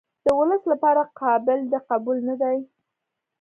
د ولس لپاره قابل د قبول نه دي.